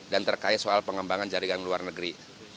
dan terkait soal pengembangan jaringan luar negeri